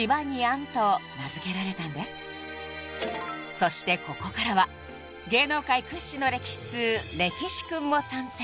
［そしてここからは芸能界屈指の歴史通れきしクンも参戦］